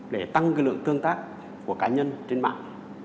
để tăng lượng tương tác của cá nhân trên mạng